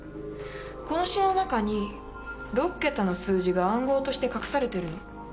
この詩の中に６桁の数字が暗号として隠されてるの。